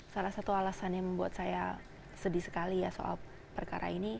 salah satu alasan yang membuat saya sedih sekali ya soal perkara ini